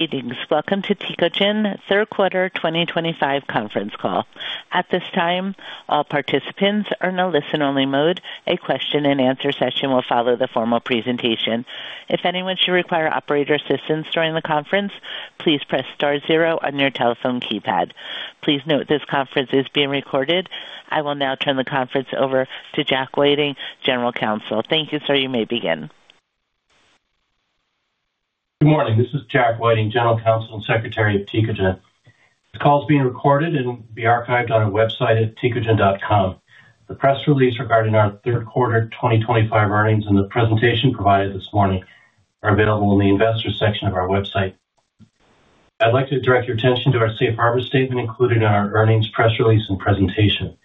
Greetings. Welcome to Tecogen Third Quarter 2025 Conference Call. At this time, all participants are in a listen-only mode. A Q&A session will follow the formal presentation. If anyone should require operator assistance during the conference, please press *0 on your telephone keypad. Please note this conference is being recorded. I will now turn the conference over to Jack Whiting, General Counsel. Thank you, sir. You may begin. Good morning. This is Jack Whiting, General Counsel and Secretary of Tecogen. This call is being recorded and will be archived on our website at tecogen.com. The press release regarding our third quarter 2025 earnings and the presentation provided this morning are available in the investor section of our website. I'd like to direct your attention to our safe harbor statement included in our earnings press release and presentation.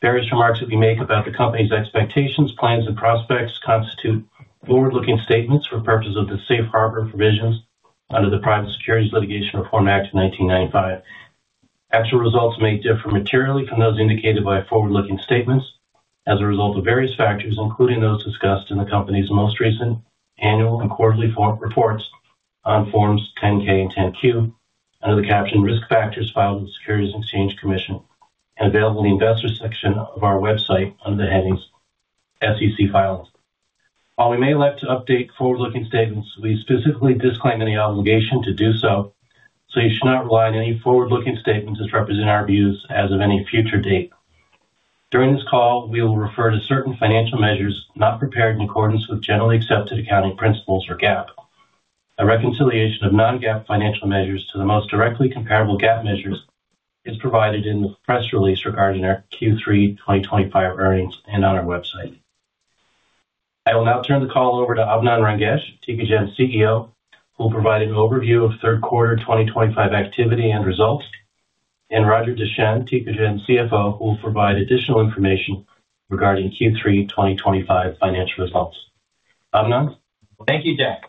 Various remarks that we make about the company's expectations, plans, and prospects constitute forward-looking statements for purposes of the safe harbor provisions under the Private Securities Litigation Reform Act of 1995. Actual results may differ materially from those indicated by forward-looking statements as a result of various factors, including those discussed in the company's most recent annual and quarterly reports on Forms 10-K and 10-Q under the captioned risk factors filed with the Securities and Exchange Commission and available in the investor section of our website under the headings SEC files. While we may elect to update forward-looking statements, we specifically disclaim any obligation to do so, so you should not rely on any forward-looking statements as representing our views as of any future date. During this call, we will refer to certain financial measures not prepared in accordance with generally accepted accounting principles or GAAP. A reconciliation of non-GAAP financial measures to the most directly comparable GAAP measures is provided in the press release regarding our Q3 2025 earnings and on our website. I will now turn the call over to Abinand Rangesh, Tecogen CEO, who will provide an overview of Third Quarter 2025 activity and results, and Roger Deschenes, Tecogen CFO, who will provide additional information regarding Q3 2025 financial results. Abinand? Thank you, Jack.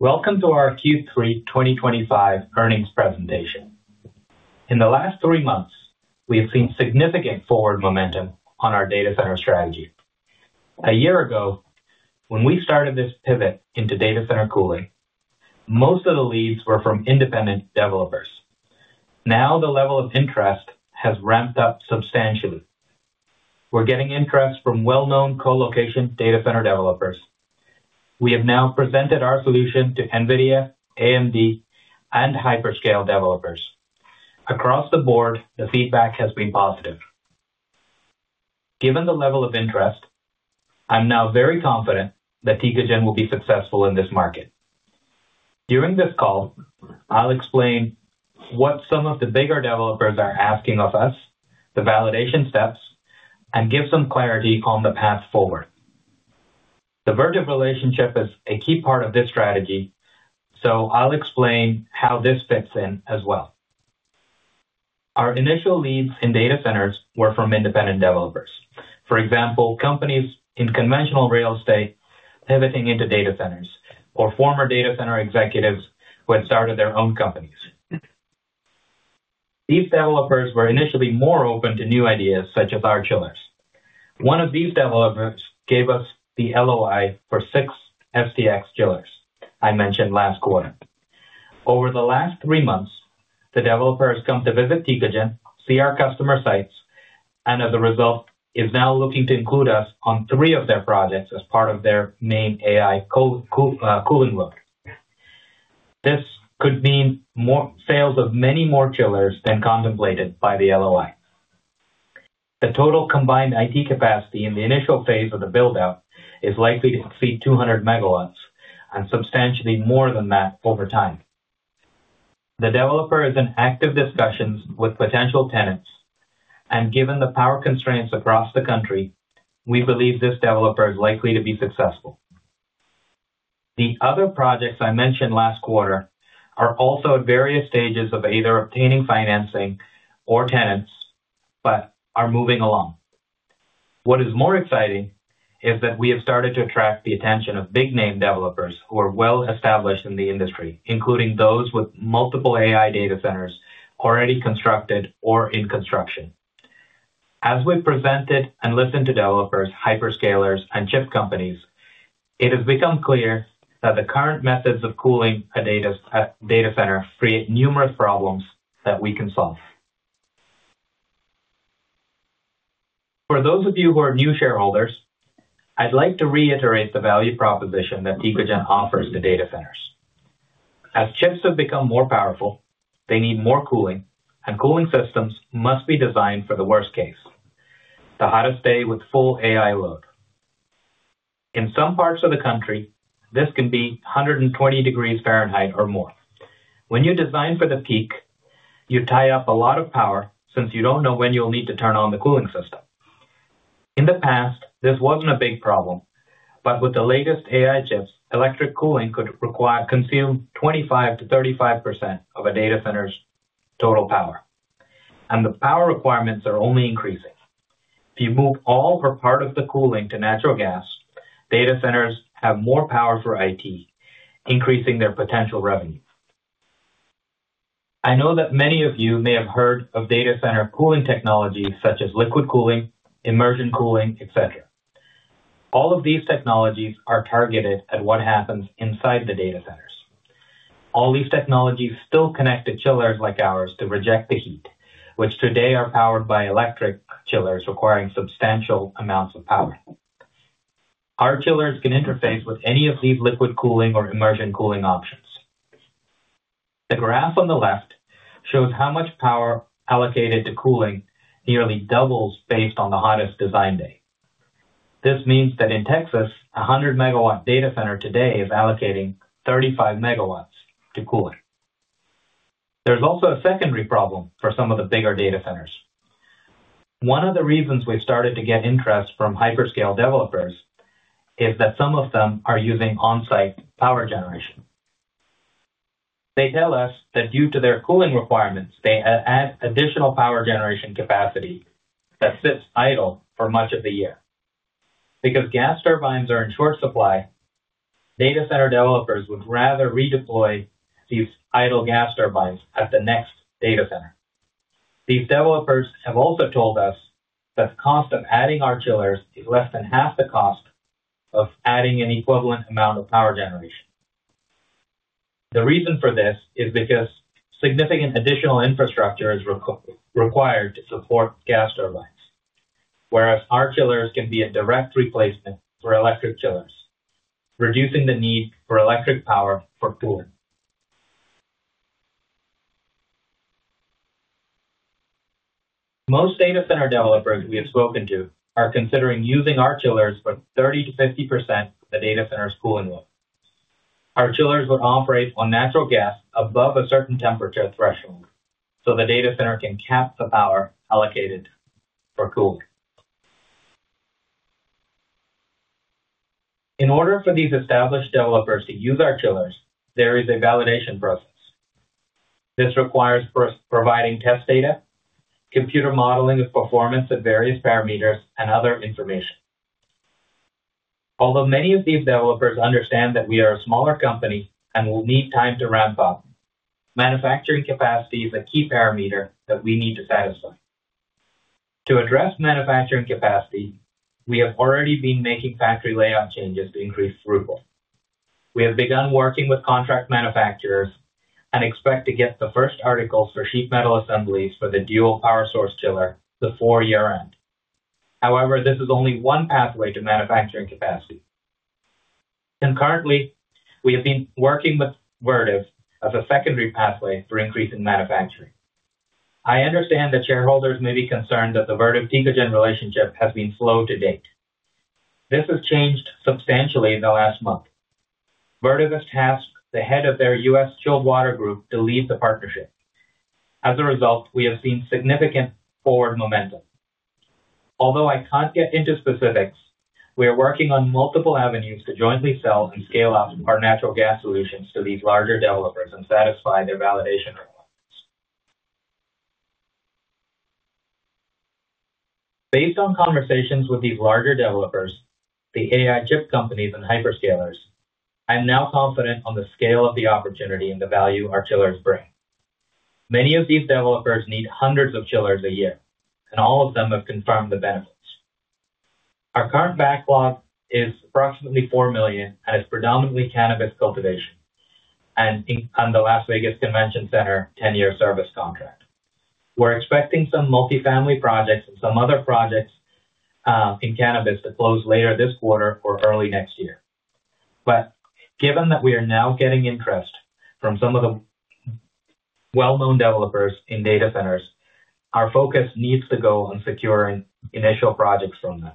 Welcome to our Q3 2025 earnings presentation. In the last three months, we have seen significant forward momentum on our data center strategy. A year ago, when we started this pivot into data center cooling, most of the leads were from independent developers. Now, the level of interest has ramped up substantially. We're getting interest from well-known colocation data center developers. We have now presented our solution to NVIDIA, AMD, and hyperscale developers. Across the board, the feedback has been positive. Given the level of interest, I'm now very confident that Tecogen will be successful in this market. During this call, I'll explain what some of the bigger developers are asking of us, the validation steps, and give some clarity on the path forward. The Vertiv relationship is a key part of this strategy, so I'll explain how this fits in as well. Our initial leads in data centers were from independent developers. For example, companies in conventional real estate pivoting into data centers or former data center executives who had started their own companies. These developers were initially more open to new ideas such as our chillers. One of these developers gave us the LOI for six STx chillers I mentioned last quarter. Over the last three months, the developer has come to visit Tecogen, see our customer sites, and as a result, is now looking to include us on three of their projects as part of their main AI cooling load. This could mean more sales of many more chillers than contemplated by the LOI. The total combined IT capacity in the initial phase of the build-out is likely to exceed 200 MW and substantially more than that over time. The developer is in active discussions with potential tenants, and given the power constraints across the country, we believe this developer is likely to be successful. The other projects I mentioned last quarter are also at various stages of either obtaining financing or tenants but are moving along. What is more exciting is that we have started to attract the attention of big-name developers who are well-established in the industry, including those with multiple AI data centers already constructed or in construction. As we've presented and listened to developers, Hyperscalers, and chip companies, it has become clear that the current methods of cooling a data center create numerous problems that we can solve. For those of you who are new shareholders, I'd like to reiterate the value proposition that Tecogen offers to data centers. As chips have become more powerful, they need more cooling, and cooling systems must be designed for the worst case: the hottest day with full AI load. In some parts of the country, this can be 120 degrees Fahrenheit or more. When you design for the peak, you tie up a lot of power since you don't know when you'll need to turn on the cooling system. In the past, this wasn't a big problem, but with the latest AI chips, electric cooling could consume 25%-35% of a data center's total power, and the power requirements are only increasing. If you move all or part of the cooling to natural gas, data centers have more power for IT, increasing their potential revenue. I know that many of you may have heard of data center cooling technologies such as liquid cooling, immersion cooling, etc. All of these technologies are targeted at what happens inside the data centers. All these technologies still connect to chillers like ours to reject the heat, which today are powered by electric chillers requiring substantial amounts of power. Our chillers can interface with any of these liquid cooling or immersion cooling options. The graph on the left shows how much power allocated to cooling nearly doubles based on the hottest design day. This means that in Texas, a 100-megawatt data center today is allocating 35 MW to cool it. There's also a secondary problem for some of the bigger data centers. One of the reasons we've started to get interest from hyperscale developers is that some of them are using on-site power generation. They tell us that due to their cooling requirements, they add additional power generation capacity that sits idle for much of the year. Because gas turbines are in short supply, data center developers would rather redeploy these idle gas turbines at the next data center. These developers have also told us that the cost of adding our chillers is less than half the cost of adding an equivalent amount of power generation. The reason for this is because significant additional infrastructure is required to support gas turbines, whereas our chillers can be a direct replacement for electric chillers, reducing the need for electric power for cooling. Most data center developers we have spoken to are considering using our chillers for 30%-50% of the data center's cooling load. Our chillers would operate on natural gas above a certain temperature threshold so the data center can cap the power allocated for cooling. In order for these established developers to use our chillers, there is a validation process. This requires providing test data, computer modeling of performance at various parameters, and other information. Although many of these developers understand that we are a smaller company and will need time to ramp up, manufacturing capacity is a key parameter that we need to satisfy. To address manufacturing capacity, we have already been making factory layout changes to increase throughput. We have begun working with contract manufacturers and expect to get the first articles for sheet metal assemblies for the dual power source chiller before year-end. However, this is only one pathway to manufacturing capacity. Concurrently, we have been working with Vertiv as a secondary pathway for increasing manufacturing. I understand that shareholders may be concerned that the Vertiv-Tecogen relationship has been slow to date. This has changed substantially in the last month. Vertiv has tasked the head of their U.S. Chilled Water Group to lead the partnership. As a result, we have seen significant forward momentum. Although I can't get into specifics, we are working on multiple avenues to jointly sell and scale up our natural gas solutions to these larger developers and satisfy their validation requirements. Based on conversations with these larger developers, the AI chip companies, and Hyperscalers . I'm now confident on the scale of the opportunity and the value our chillers bring. Many of these developers need hundreds of chillers a year, and all of them have confirmed the benefits. Our current backlog is approximately $4 million and is predominantly cannabis cultivation and the Las Vegas Convention Center 10-year service contract. We're expecting some multifamily projects and some other projects in cannabis to close later this quarter or early next year. Given that we are now getting interest from some of the well-known developers in data centers, our focus needs to go on securing initial projects from them.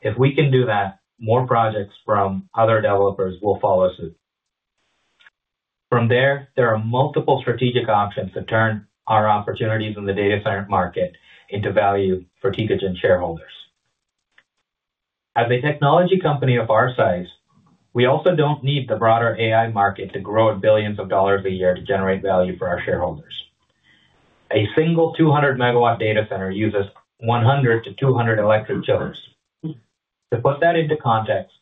If we can do that, more projects from other developers will follow suit. From there, there are multiple strategic options to turn our opportunities in the data center market into value for Tecogen shareholders. As a technology company of our size, we also do not need the broader AI market to grow at billions of dollars a year to generate value for our shareholders. A single 200-megawatt data center uses 100-200 electric chillers. To put that into context,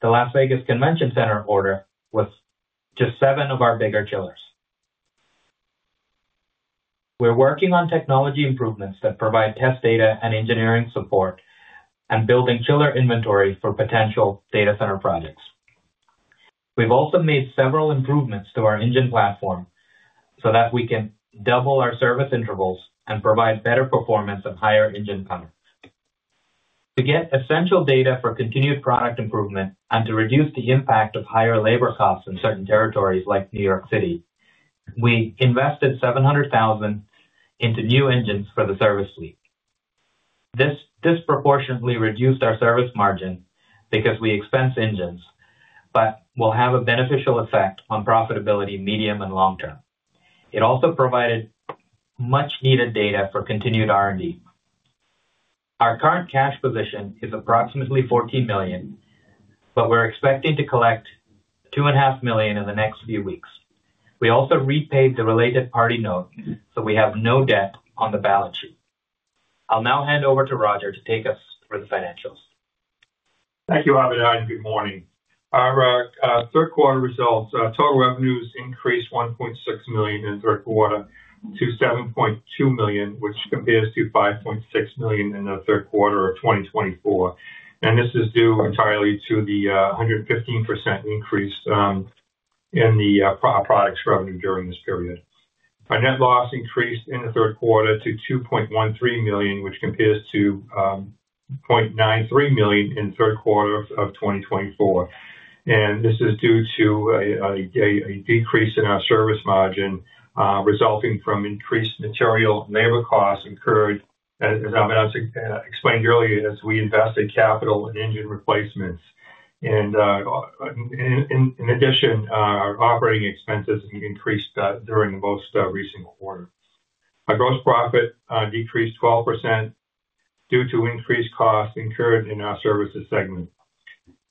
the Las Vegas Convention Center order was just seven of our bigger chillers. We are working on technology improvements that provide test data and engineering support and building chiller inventory for potential data center projects. We've also made several improvements to our engine platform so that we can double our service intervals and provide better performance and higher engine power. To get essential data for continued product improvement and to reduce the impact of higher labor costs in certain territories like New York City, we invested $700,000 into new engines for the service fleet. This disproportionately reduced our service margin because we expense engines, but will have a beneficial effect on profitability medium and long term. It also provided much-needed data for continued R&D. Our current cash position is approximately $14 million, but we're expecting to collect $2.5 million in the next few weeks. We also repaid the related party note, so we have no debt on the balance sheet. I'll now hand over to Roger to take us through the financials. Thank you, Abinand. Good morning. Our third quarter results, total revenues increased $1.6 million in the third quarter to $7.2 million, which compares to $5.6 million in the third quarter of 2024. This is due entirely to the 115% increase in the product's revenue during this period. Our net loss increased in the third quarter to $2.13 million, which compares to $0.93 million in the third quarter of 2024. This is due to a decrease in our service margin resulting from increased material labor costs incurred, as Abinand explained earlier, as we invested capital in engine replacements. In addition, our operating expenses increased during the most recent quarter. Our gross profit decreased 12% due to increased costs incurred in our services segment.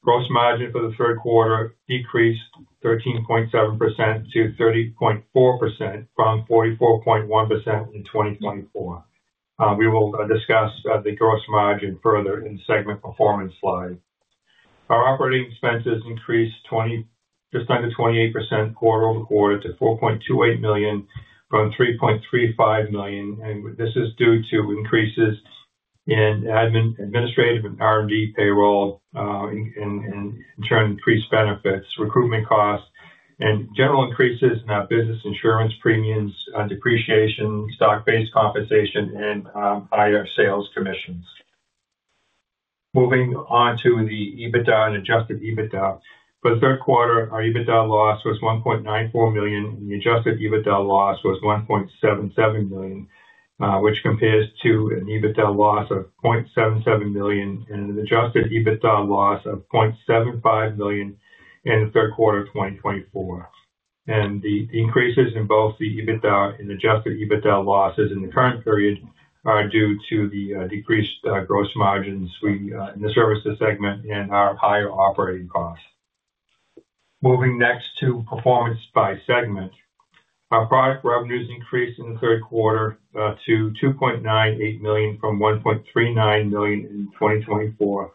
Gross margin for the third quarter decreased 13.7% to 30.4% from 44.1% in 2024. We will discuss the gross margin further in the segment performance slide. Our operating expenses increased just under 28% quarter-over-quarter to $4.28 million from $3.35 million. This is due to increases in administrative and R&D payroll, and in turn, increased benefits, recruitment costs, and general increases in our business insurance premiums, depreciation, stock-based compensation, and higher sales commissions. Moving on to the EBITDA and adjusted EBITDA. For the third quarter, our EBITDA loss was $1.94 million, and the adjusted EBITDA loss was $1.77 million, which compares to an EBITDA loss of $0.77 million and an adjusted EBITDA loss of $0.75 million in the third quarter of 2024. The increases in both the EBITDA and adjusted EBITDA losses in the current period are due to the decreased gross margins in the services segment and our higher operating costs. Moving next to performance by segment, our product revenues increased in the third quarter to $2.98 million from $1.39 million in 2024,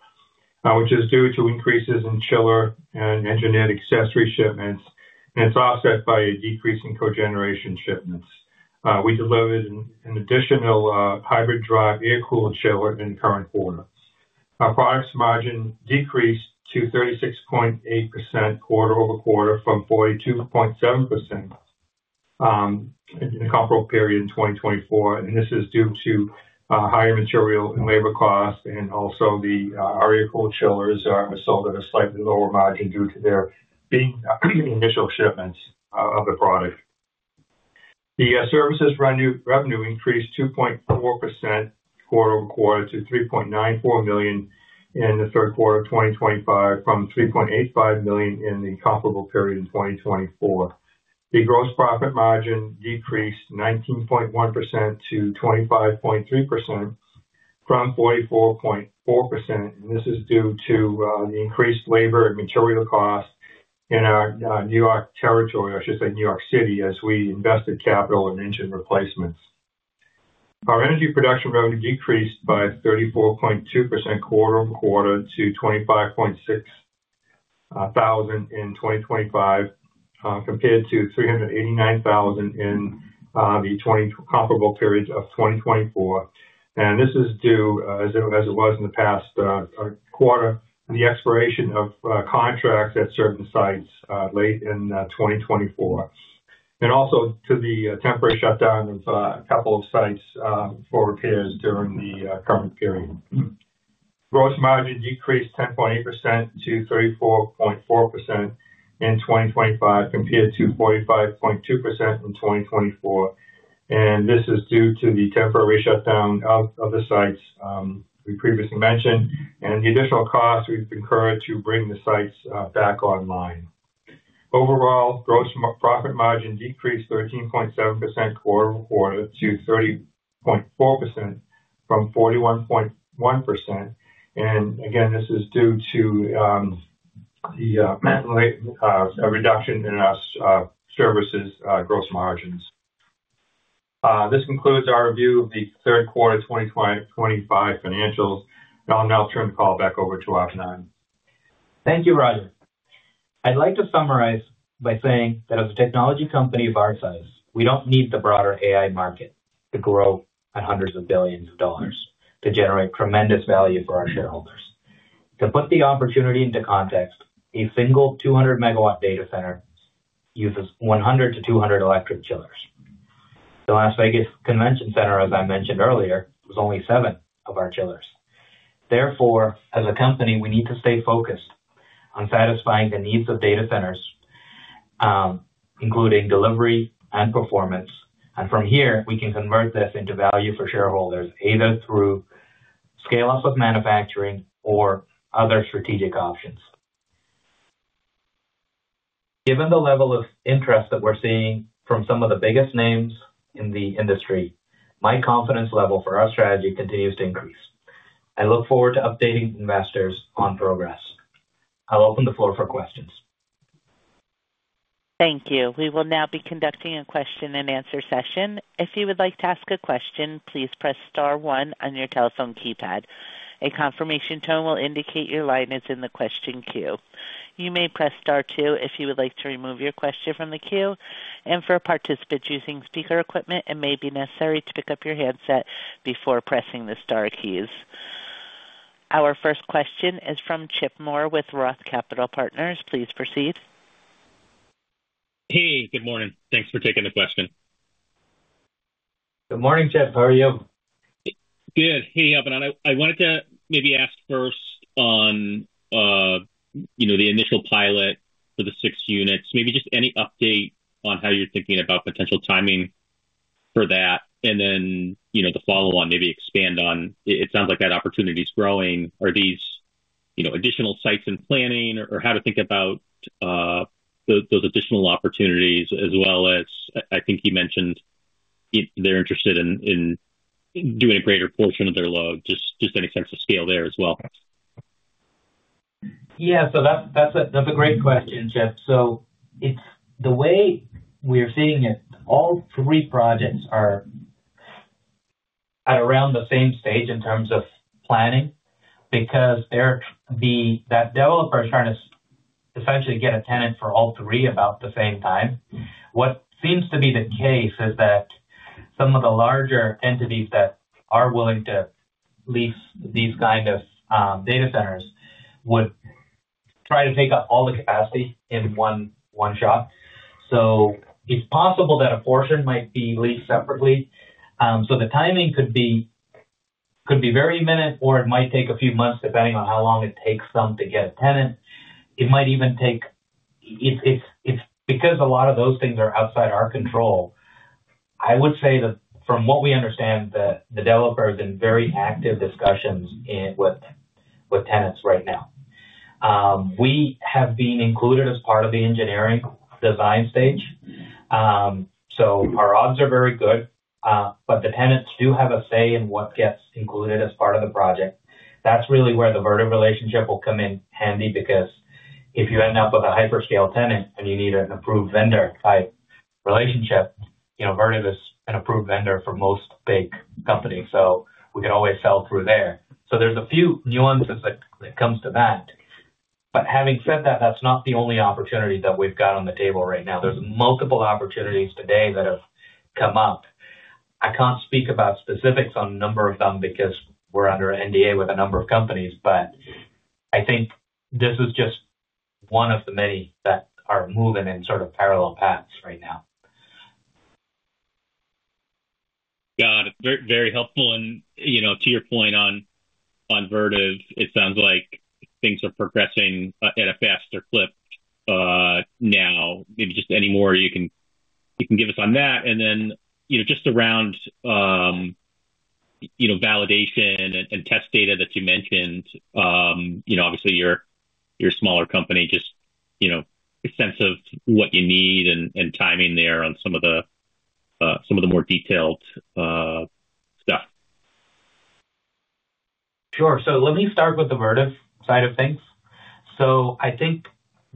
which is due to increases in chiller and engineered accessory shipments, and it's offset by a decrease in cogeneration shipments. We delivered an additional hybrid drive air-cooled chiller in the current quarter. Our product's margin decreased to 36.8% quarter-over-quarter from 42.7% in the comparable period in 2024. This is due to higher material and labor costs, and also our air-cooled chillers are sold at a slightly lower margin due to their being initial shipments of the product. The services revenue increased 2.4% quarter-over-quarter to $3.94 million in the third quarter of 2025 from $3.85 million in the comparable period in 2024. The gross profit margin decreased 19.1% to 25.3% from 44.4%. This is due to the increased labor and material costs in our New York territory, or I should say New York City, as we invested capital in engine replacements. Our energy production revenue decreased by 34.2% quarter-over-quarter to $25,600 in 2025 compared to $389,000 in the comparable period of 2024. This is due, as it was in the past quarter, to the expiration of contracts at certain sites late in 2024, and also to the temporary shutdown of a couple of sites for repairs during the current period. Gross margin decreased 10.8% to 34.4% in 2025 compared to 45.2% in 2024. This is due to the temporary shutdown of the sites we previously mentioned and the additional costs we've incurred to bring the sites back online. Overall, gross profit margin decreased 13.7% quarter-over-quarter to 30.4% from 41.1%. This is due to the reduction in our services gross margins. This concludes our review of the third quarter 2025 financials. I'll now turn the call back over to Abinand. Thank you, Roger. I'd like to summarize by saying that as a technology company of our size, we don't need the broader AI market to grow at hundreds of billions of dollars to generate tremendous value for our shareholders. To put the opportunity into context, a single 200-megawatt data center uses 100-200 electric chillers. The Las Vegas Convention Center, as I mentioned earlier, was only seven of our chillers. Therefore, as a company, we need to stay focused on satisfying the needs of data centers, including delivery and performance. From here, we can convert this into value for shareholders either through scale-up of manufacturing or other strategic options. Given the level of interest that we're seeing from some of the biggest names in the industry, my confidence level for our strategy continues to increase. I look forward to updating investors on progress. I'll open the floor for questions. Thank you. We will now be conducting a Q&A session. If you would like to ask a question, please press *1 on your telephone keypad. A confirmation tone will indicate your likeness in the question queue. You may press *2 if you would like to remove your question from the queue. For participants using speaker equipment, it may be necessary to pick up your handset before pressing the * keys. Our first question is from Chip Moore with Roth Capital Partners. Please proceed. Hey, good morning. Thanks for taking the question. Good morning, Chip. How are you? Good. Hey, Abinand. I wanted to maybe ask first on the initial pilot for the six units, maybe just any update on how you're thinking about potential timing for that, and then the follow-on, maybe expand on it sounds like that opportunity is growing? Are these additional sites in planning or how to think about those additional opportunities, as well as I think you mentioned they're interested in doing a greater portion of their load, just any sense of scale there as well? Yeah. That's a great question, Chip. The way we're seeing it, all three projects are at around the same stage in terms of planning because the developer is trying to essentially get a tenant for all three at about the same time. What seems to be the case is that some of the larger entities that are willing to lease these kind of data centers would try to take up all the capacity in one shot. It's possible that a portion might be leased separately. The timing could be very minute, or it might take a few months depending on how long it takes them to get a tenant. It might even take longer because a lot of those things are outside our control. I would say that from what we understand, the developer is in very active discussions with tenants right now.\ We have been included as part of the engineering design stage. Our odds are very good, but the tenants do have a say in what gets included as part of the project. That is really where the Vertiv relationship will come in handy because if you end up with a hyperscale tenant and you need an approved vendor-type relationship. Vertiv is an approved vendor for most big companies, so we can always sell through there. There are a few nuances that come to that. Having said that, that is not the only opportunity that we have got on the table right now. There are multiple opportunities today that have come up. I cannot speak about specifics on a number of them because we are under NDA with a number of companies, but I think this is just one of the many that are moving in sort of parallel paths right now. Got it. Very helpful. To your point on Vertiv, it sounds like things are progressing at a faster clip now. Maybe just any more you can give us on that. Just around validation and test data that you mentioned, obviously, you're a smaller company. Just a sense of what you need and timing there on some of the more detailed stuff. Sure. Let me start with the Vertiv side of things. I think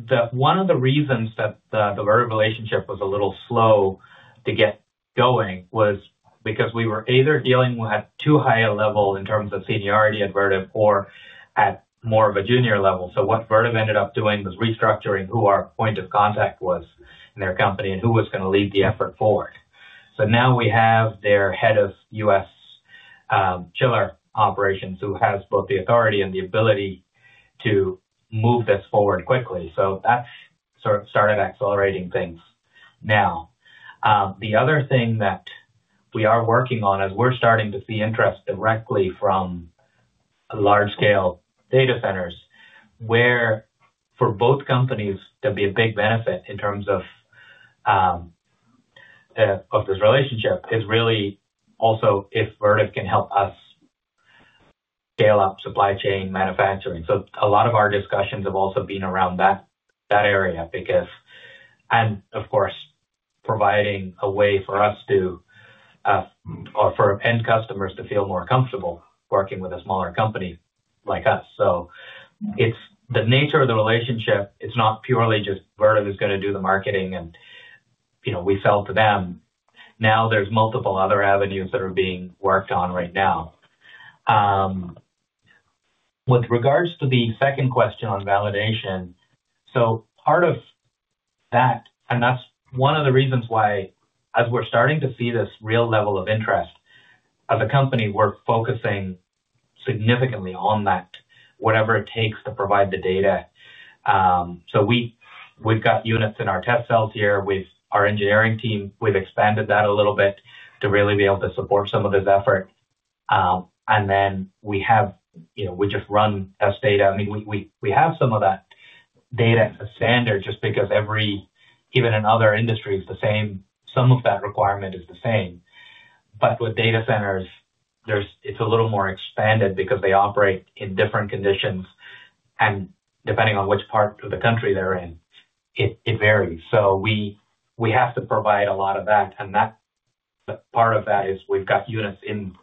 that one of the reasons that the Vertiv relationship was a little slow to get going was because we were either dealing with too high a level in terms of seniority at Vertiv or at more of a junior level. What Vertiv ended up doing was restructuring who our point of contact was in their company and who was going to lead the effort forward. Now we have their head of U.S. chiller operations who has both the authority and the ability to move this forward quickly. That sort of started accelerating things now. The other thing that we are working on as we're starting to see interest directly from large-scale data centers where for both companies to be a big benefit in terms of this relationship is really also if Vertiv can help us scale up supply chain manufacturing. A lot of our discussions have also been around that area because, and of course, providing a way for us to or for end customers to feel more comfortable working with a smaller company like us. It is the nature of the relationship. It is not purely just Vertiv is going to do the marketing, and we sell to them. There are multiple other avenues that are being worked on right now. With regards to the second question on validation, part of that, and that's one of the reasons why as we're starting to see this real level of interest as a company, we're focusing significantly on that, whatever it takes to provide the data. We've got units in our test cells here with our engineering team. We've expanded that a little bit to really be able to support some of this effort. We just run test data. I mean, we have some of that data as a standard just because even in other industries, some of that requirement is the same. With data centers, it's a little more expanded because they operate in different conditions. Depending on which part of the country they're in, it varies. We have to provide a lot of that. That part of that is we've got units in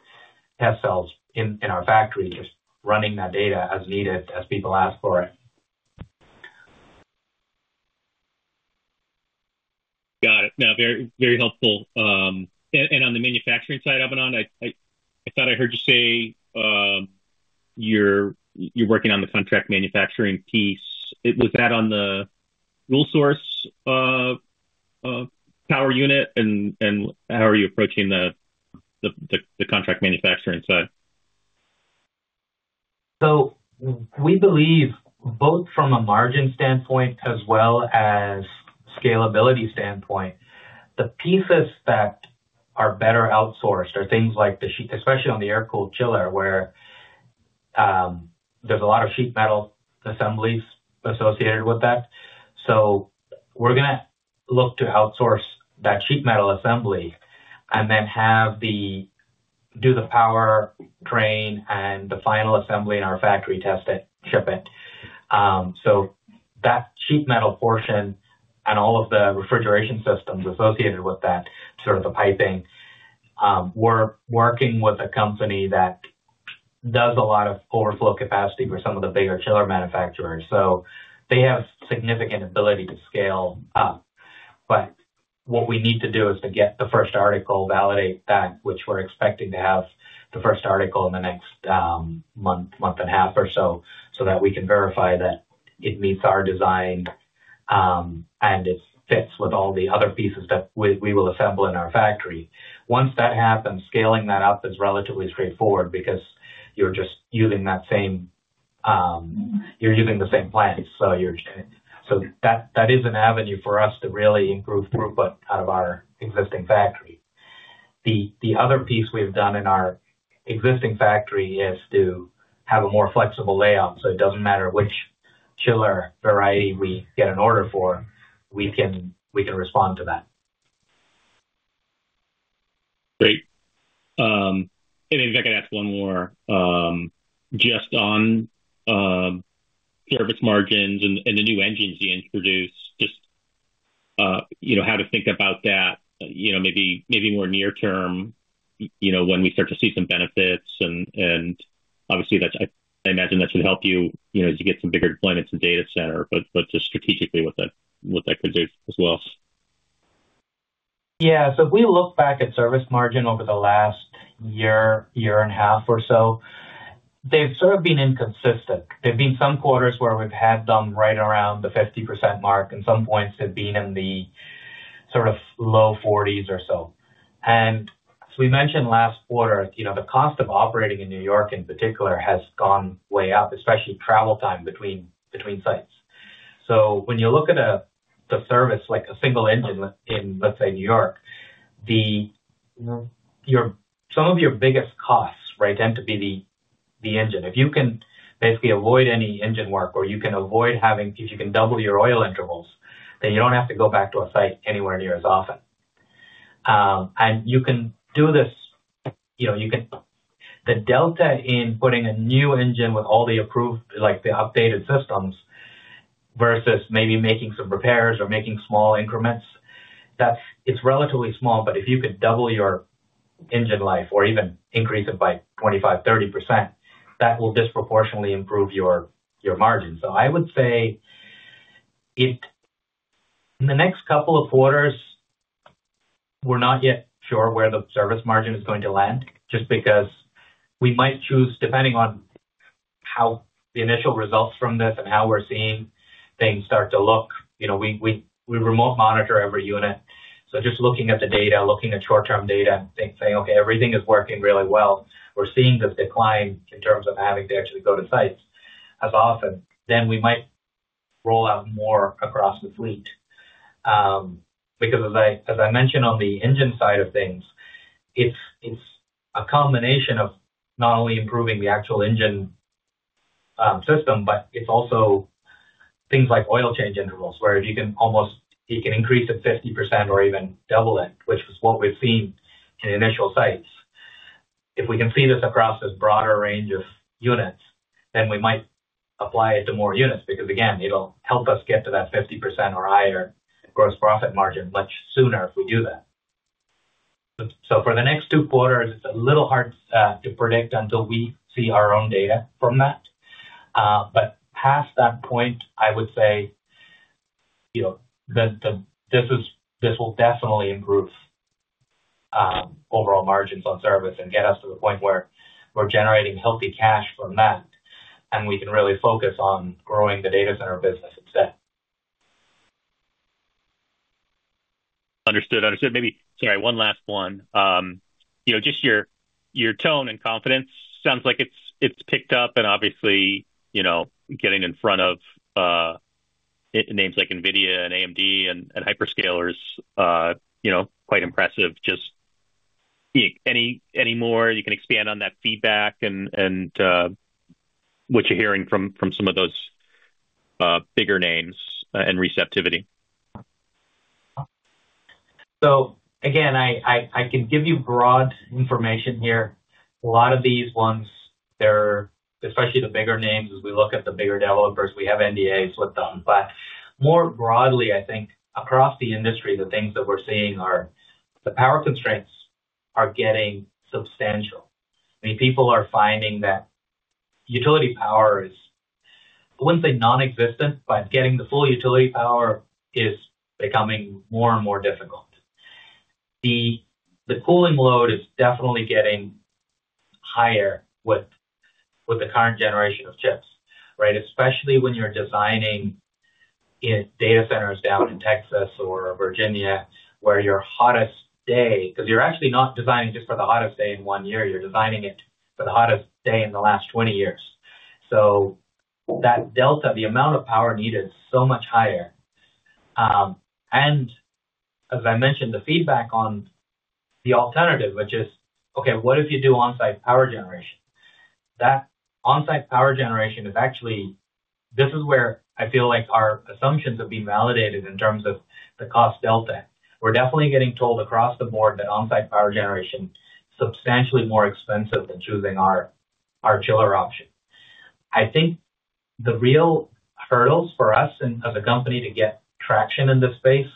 test cells in our factory just running that data as needed as people ask for it. Got it. Now, very helpful. On the manufacturing side, Abinand, I thought I heard you say you're working on the contract manufacturing piece. Was that on the dual-source power unit? How are you approaching the contract manufacturing side? We believe both from a margin standpoint as well as scalability standpoint, the pieces that are better outsourced are things like the sheet, especially on the air-cooled chiller where there's a lot of sheet metal assemblies associated with that. We're going to look to outsource that sheet metal assembly and then have the power drain and the final assembly in our factory, test it, ship it. That sheet metal portion and all of the refrigeration systems associated with that, sort of the piping, we're working with a company that does a lot of overflow capacity for some of the bigger chiller manufacturers. They have significant ability to scale up. What we need to do is to get the first article, validate that, which we're expecting to have the first article in the next month, month and a half or so, so that we can verify that it meets our design and it fits with all the other pieces that we will assemble in our factory. Once that happens, scaling that up is relatively straightforward because you're just using that same, you're using the same plant. That is an avenue for us to really improve throughput out of our existing factory. The other piece we've done in our existing factory is to have a more flexible layout. It doesn't matter which chiller variety we get an order for, we can respond to that. Great. If I could ask one more, just on service margins and the new engines you introduce, just how to think about that maybe more near-term when we start to see some benefits. Obviously, I imagine that should help you to get some bigger deployments in data center, but just strategically what that could do as well. Yeah. If we look back at service margin over the last year, year and a half or so, they've sort of been inconsistent. There've been some quarters where we've had them right around the 50% mark. In some points, they've been in the sort of low 40s or so. As we mentioned last quarter, the cost of operating in New York in particular has gone way up, especially travel time between sites. When you look at the service, like a single engine in, let's say, New York, some of your biggest costs, right, tend to be the engine. If you can basically avoid any engine work or you can avoid having, if you can double your oil intervals, then you don't have to go back to a site anywhere near as often. You can do this, you can, the delta in putting a new engine with all the approved, like the updated systems, versus maybe making some repairs or making small increments, is relatively small. If you could double your engine life or even increase it by 25-30%, that will disproportionately improve your margin. I would say in the next couple of quarters, we're not yet sure where the service margin is going to land just because we might choose, depending on how the initial results from this and how we're seeing things start to look. We remote monitor every unit. Just looking at the data, looking at short-term data and saying, "Okay, everything is working really well. We're seeing this decline in terms of having to actually go to sites as often," we might roll out more across the fleet. Because as I mentioned on the engine side of things, it's a combination of not only improving the actual engine system, but it's also things like oil change intervals where you can almost, you can increase it 50% or even double it, which was what we've seen in initial sites. If we can see this across this broader range of units, then we might apply it to more units because, again, it'll help us get to that 50% or higher gross profit margin much sooner if we do that. For the next two quarters, it's a little hard to predict until we see our own data from that. Past that point, I would say that this will definitely improve overall margins on service and get us to the point where we're generating healthy cash from that, and we can really focus on growing the data center business instead. Understood. Understood. Maybe sorry, one last one. Just your tone and confidence sounds like it's picked up. Obviously, getting in front of names like NVIDIA and AMD and Hyperscalers is quite impressive. Just any more you can expand on that feedback and what you're hearing from some of those bigger names and receptivity? Again, I can give you broad information here. A lot of these ones, especially the bigger names, as we look at the bigger developers, we have NDAs with them. More broadly, I think across the industry, the things that we're seeing are the power constraints are getting substantial. I mean, people are finding that utility power is, I wouldn't say nonexistent, but getting the full utility power is becoming more and more difficult. The cooling load is definitely getting higher with the current generation of chips, right? Especially when you're designing data centers down in Texas or Virginia where your hottest day, because you're actually not designing just for the hottest day in one year. You're designing it for the hottest day in the last 20 years. That delta, the amount of power needed, is so much higher. As I mentioned, the feedback on the alternative, which is, "Okay, what if you do on-site power generation?" That on-site power generation is actually where I feel like our assumptions have been validated in terms of the cost delta. We're definitely getting told across the board that on-site power generation is substantially more expensive than choosing our chiller option. I think the real hurdles for us as a company to get traction in this space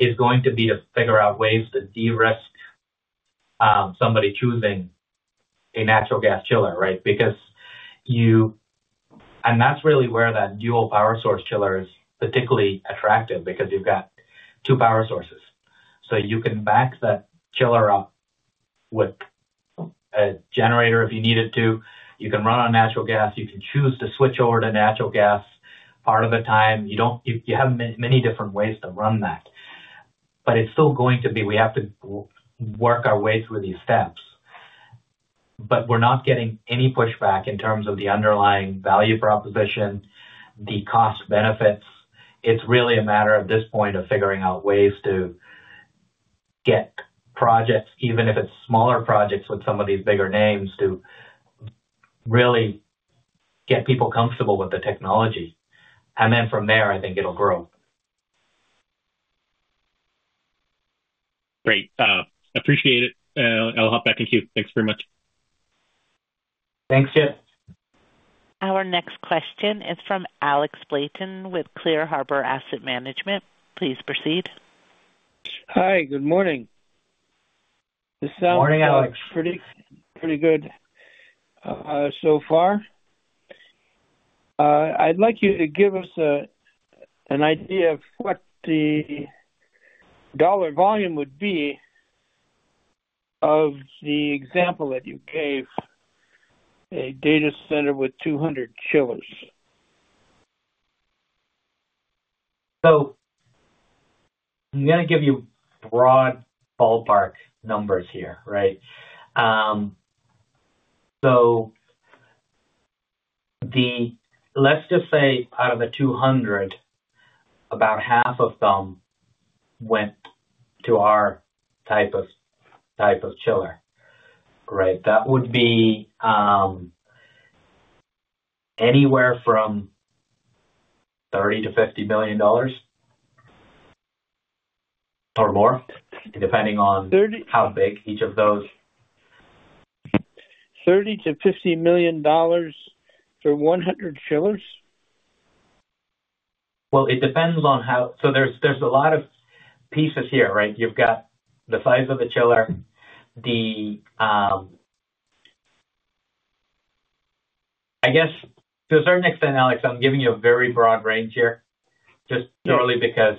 are going to be to figure out ways to de-risk somebody choosing a natural gas chiller, right? That's really where that dual power source chiller is particularly attractive because you've got two power sources. You can back that chiller up with a generator if you need it to. You can run on natural gas. You can choose to switch over to natural gas part of the time. You have many different ways to run that. It is still going to be we have to work our way through these steps. We are not getting any pushback in terms of the underlying value proposition, the cost benefits. It is really a matter at this point of figuring out ways to get projects, even if it is smaller projects with some of these bigger names, to really get people comfortable with the technology. From there, I think it will grow. Great. Appreciate it. I'll hop back in here. Thanks very much. Thanks, Chip. Our next question is from Alex Blanton with Clear Harbor Asset Management. Please proceed. Hi. Good morning. This sounds pretty good so far. I'd like you to give us an idea of what the dollar volume would be of the example that you gave, a data center with 200 chillers. I'm going to give you broad ballpark numbers here, right? Let's just say out of the 200, about half of them went to our type of chiller, right? That would be anywhere from $30 million-$50 million or more, depending on how big each of those. $30 million-$50 million for 100 chillers? It depends on how, so there are a lot of pieces here, right? You have got the size of the chiller. I guess to a certain extent, Alex, I am giving you a very broad range here just purely because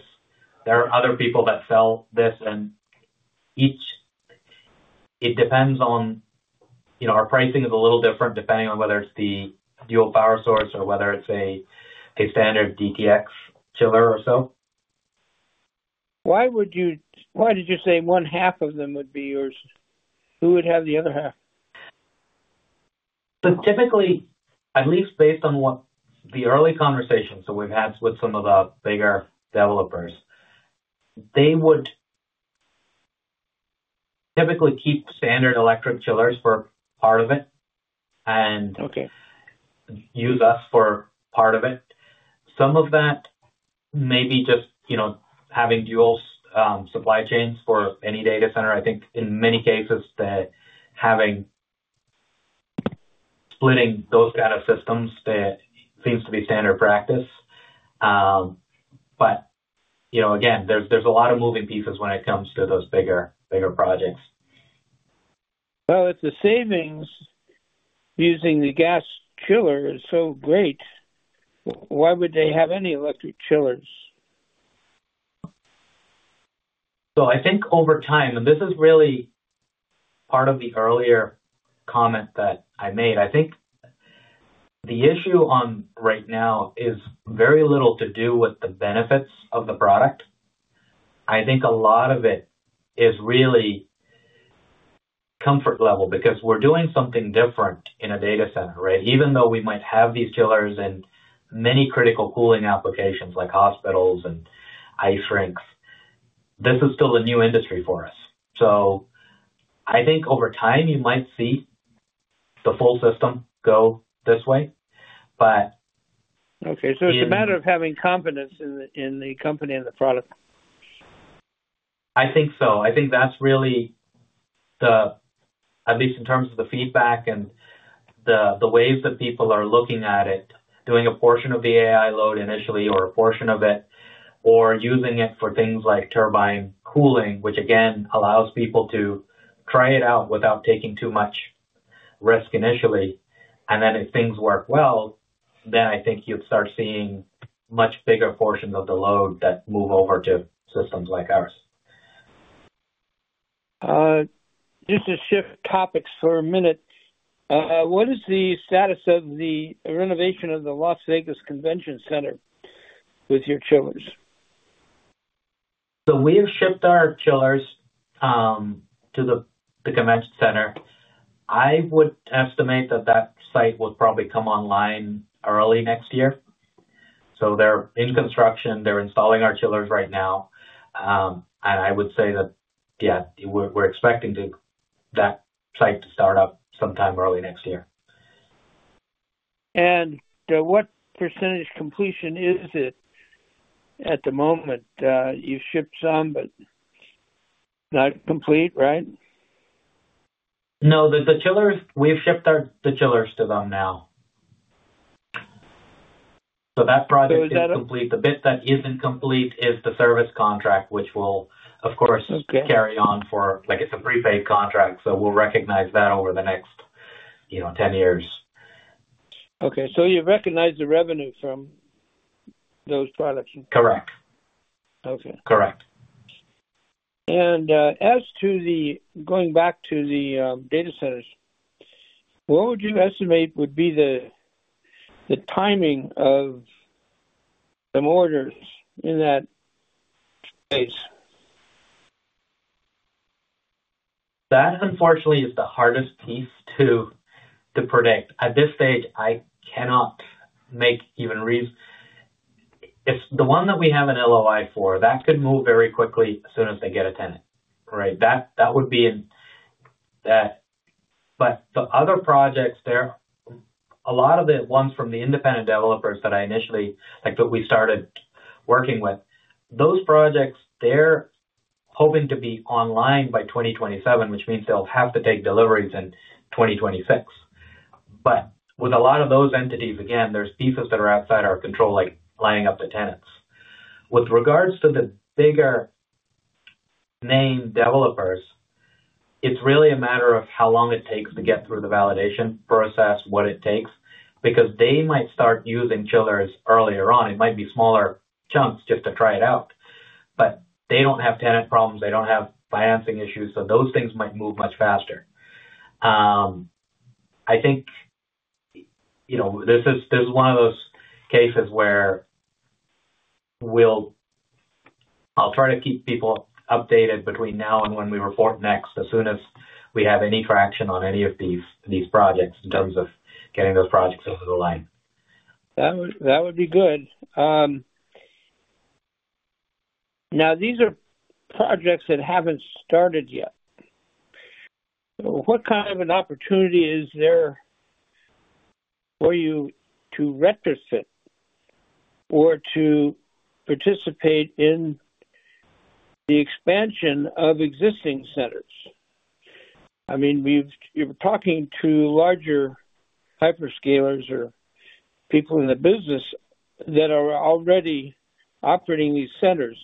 there are other people that sell this. It depends on, our pricing is a little different depending on whether it is the dual power source or whether it is a standard DTx chiller or so. Why did you say one half of them would be yours? Who would have the other half? Typically, at least based on the early conversations that we've had with some of the bigger developers, they would typically keep standard electric chillers for part of it and use us for part of it. Some of that may be just having dual supply chains for any data center. I think in many cases, splitting those kind of systems, that seems to be standard practice. Again, there's a lot of moving pieces when it comes to those bigger projects. If the savings using the gas chiller is so great, why would they have any electric chillers? I think over time, and this is really part of the earlier comment that I made, I think the issue right now is very little to do with the benefits of the product. I think a lot of it is really comfort level because we're doing something different in a data center, right? Even though we might have these chillers in many critical cooling applications like hospitals and ice rinks, this is still a new industry for us. I think over time, you might see the full system go this way, but. Okay. So it's a matter of having confidence in the company and the product. I think so. I think that's really the, at least in terms of the feedback and the ways that people are looking at it, doing a portion of the AI load initially or a portion of it, or using it for things like turbine cooling, which again allows people to try it out without taking too much risk initially. If things work well, then I think you'd start seeing much bigger portions of the load that move over to systems like ours. Just to shift topics for a minute, what is the status of the renovation of the Las Vegas Convention Center with your chillers? We have shipped our chillers to the convention center. I would estimate that that site would probably come online early next year. They're in construction. They're installing our chillers right now. I would say that, yeah, we're expecting that site to start up sometime early next year. What percentage completion is it at the moment? You've shipped some, but not complete, right? No. We've shipped the chillers to them now. That project is complete. The bit that isn't complete is the service contract, which will, of course, carry on for it's a prepaid contract. We'll recognize that over the next 10 years. Okay. So you recognize the revenue from those products. Correct. Okay. Correct. As to the going back to the data centers, what would you estimate would be the timing of the mortars in that space? That, unfortunately, is the hardest piece to predict. At this stage, I cannot make even reasons. The one that we have an LOI for, that could move very quickly as soon as they get a tenant, right? That would be in that, the other projects, a lot of the ones from the independent developers that I initially that we started working with, those projects, they're hoping to be online by 2027, which means they'll have to take deliveries in 2026. With a lot of those entities, again, there's pieces that are outside our control, like lining up the tenants. With regards to the bigger name developers, it's really a matter of how long it takes to get through the validation process, what it takes, because they might start using chillers earlier on. It might be smaller chunks just to try it out. They do not have tenant problems. They don't have financing issues. Those things might move much faster. I think this is one of those cases where I'll try to keep people updated between now and when we report next, as soon as we have any traction on any of these projects in terms of getting those projects over the line. That would be good. Now, these are projects that haven't started yet. What kind of an opportunity is there for you to retrofit or to participate in the expansion of existing centers? I mean, you're talking to larger Hyperscalers or people in the business that are already operating these centers.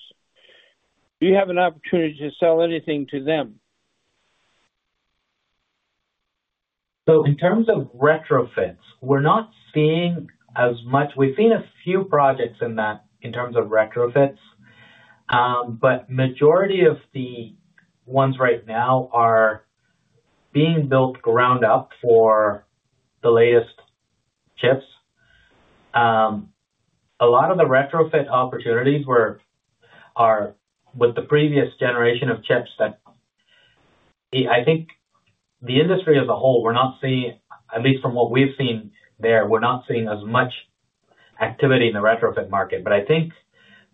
Do you have an opportunity to sell anything to them? In terms of retrofits, we're not seeing as much. We've seen a few projects in that in terms of retrofits. The majority of the ones right now are being built ground up for the latest chips. A lot of the retrofit opportunities were with the previous generation of chips that I think the industry as a whole, at least from what we've seen there, we're not seeing as much activity in the retrofit market. I think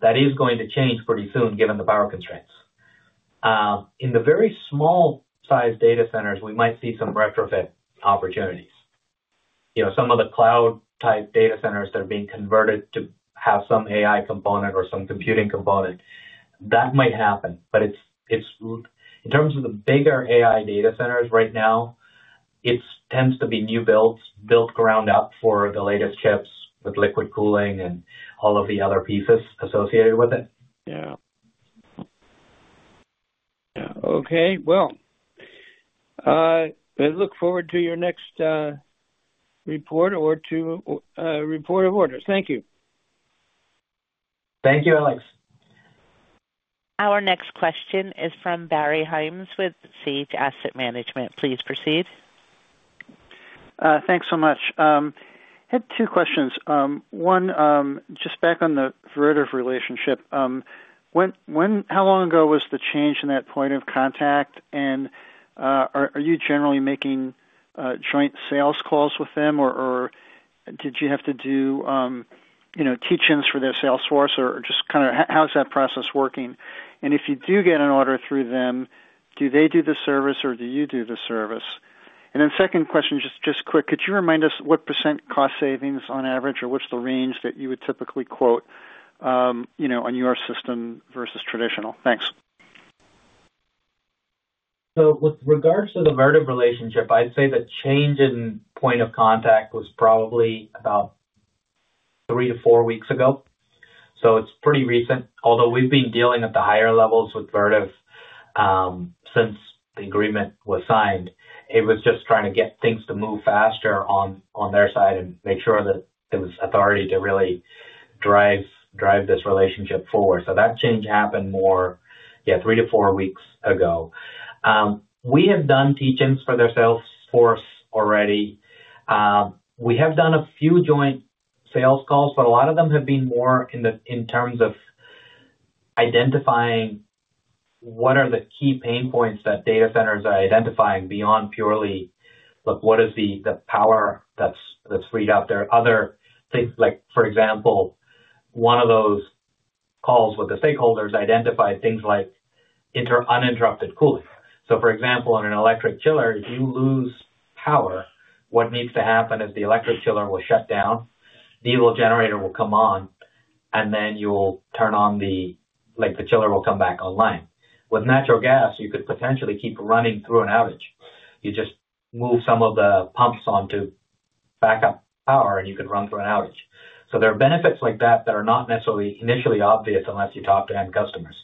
that is going to change pretty soon given the power constraints. In the very small-sized data centers, we might see some retrofit opportunities. Some of the cloud-type data centers that are being converted to have some AI component or some computing component, that might happen. In terms of the bigger AI data centers right now, it tends to be new builds built ground up for the latest chips with liquid cooling and all of the other pieces associated with it. Yeah. Yeah. Okay. I look forward to your next report or to report of orders. Thank you. Thank you, Alex. Our next question is from Barry Hymes with Seed Asset Management. Please proceed. Thanks so much. I had two questions. One, just back on the Vertiv relationship, how long ago was the change in that point of contact? Are you generally making joint sales calls with them, or did you have to do teach-ins for their sales force, or just kind of how's that process working? If you do get an order through them, do they do the service, or do you do the service? Second question, just quick, could you remind us what % cost savings on average, or what's the range that you would typically quote on your system versus traditional? Thanks. With regards to the Vertiv relationship, I'd say the change in point of contact was probably about three to four weeks ago. It's pretty recent. Although we've been dealing at the higher levels with Vertiv since the agreement was signed, it was just trying to get things to move faster on their side and make sure that there was authority to really drive this relationship forward. That change happened more, yeah, three to four weeks ago. We have done teach-ins for their sales force already. We have done a few joint sales calls, but a lot of them have been more in terms of identifying what are the key pain points that data centers are identifying beyond purely what is the power that's freed up. There are other things. For example, one of those calls with the stakeholders identified things like uninterrupted cooling. For example, in an electric chiller, if you lose power, what needs to happen is the electric chiller will shut down, the diesel generator will come on, and then you'll turn on, the chiller will come back online. With natural gas, you could potentially keep running through an outage. You just move some of the pumps on to backup power, and you could run through an outage. There are benefits like that that are not necessarily initially obvious unless you talk to end customers.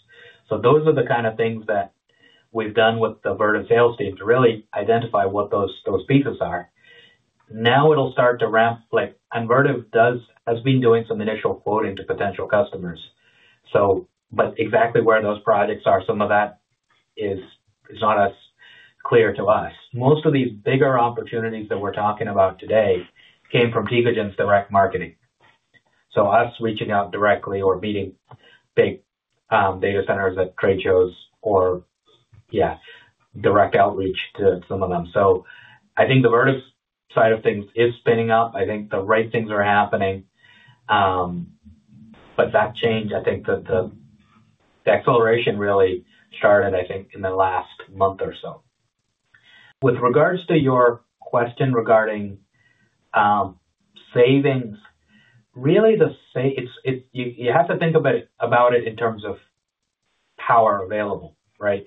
Those are the kind of things that we've done with the Vertiv sales team to really identify what those pieces are. Now it'll start to ramp. Vertiv has been doing some initial quoting to potential customers. Exactly where those projects are, some of that is not as clear to us. Most of these bigger opportunities that we're talking about today came from Tecogen's direct marketing. Us reaching out directly or meeting big data centers at trade shows or, yeah, direct outreach to some of them. I think the Vertiv side of things is spinning up. I think the right things are happening. That change, I think the acceleration really started, I think, in the last month or so. With regards to your question regarding savings, really you have to think about it in terms of power available, right?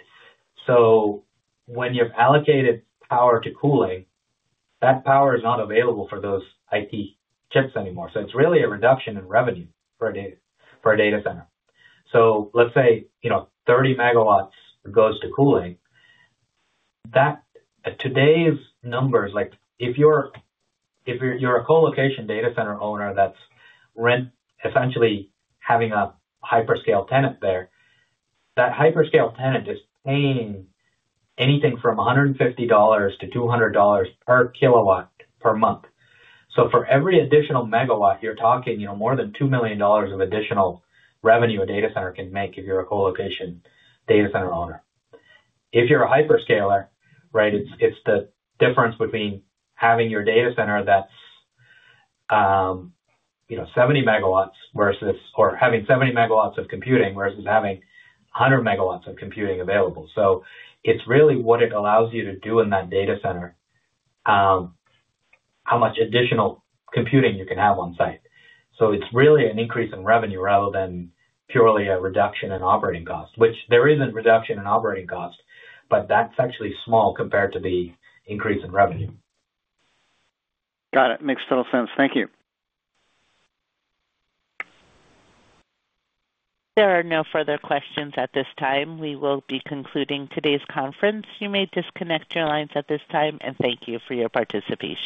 When you've allocated power to cooling, that power is not available for those IT chips anymore. It's really a reduction in revenue for a data center. Let's say 30 MW goes to cooling. Today's numbers, if you're a colocation data center owner that's essentially having a hyperscale tenant there, that hyperscale tenant is paying anything from $150-$200 per kW per month. For every additional megawatt, you're talking more than $2 million of additional revenue a data center can make if you're a colocation data center owner. If you're a Hyperscaler, right, it's the difference between having your data center that's 70 MW or having 70 MW of computing versus having 100 MW of computing available. It is really what it allows you to do in that data center, how much additional computing you can have on-site. It is really an increase in revenue rather than purely a reduction in operating cost, which there is a reduction in operating cost, but that's actually small compared to the increase in revenue. Got it. Makes total sense. Thank you. There are no further questions at this time. We will be concluding today's conference. You may disconnect your lines at this time, and thank you for your participation.